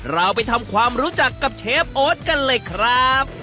เราไปทำความรู้จักกับเชฟโอ๊ตกันเลยครับ